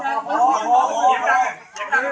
หล่อหล่อหล่อหล่อหล่อหล่อหล่อ